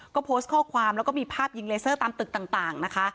ก็โพสต์ข้อความแล้วก็มีภาพยิงเลเซอร์ตามตึกต่างนะคะ